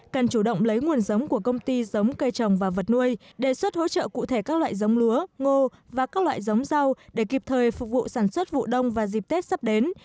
cần chủ động lấy nguồn giống của công ty giống cây trồng và vật nuôi đề xuất hỗ trợ cụ thể các loại giống lúa ngô và các loại giống rau để kịp thời phục vụ sản xuất vụ đông và dịp tết sắp đến